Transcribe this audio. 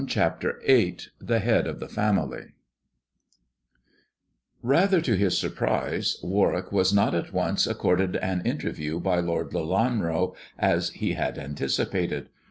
CHAPTER VIII THE HEAD OP THE FAMILY RATHER to his surprise Warwick was not at once ac corded an interview by Lord Lelanro, as he had anti cipated.